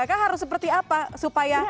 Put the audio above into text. apakah harus seperti apa supaya